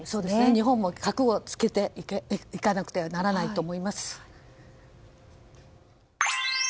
日本も覚悟をつけていかなくてはいけないと思います。